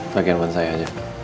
pak irfan saya aja